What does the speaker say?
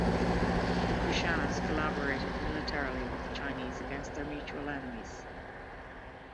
The Kushanas collaborated militarily with the Chinese against their mutual enemies.